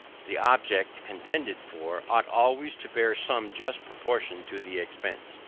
The object, contended for, ought always to bear some just proportion to the expense.